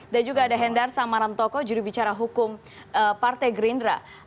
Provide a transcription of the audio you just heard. dan juga ada hendar samaran toko juru bicara hukum partai gerindra